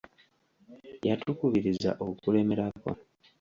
Yatukubiriza okulemerako.